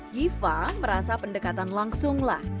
giva merasa pendekatan langsung lah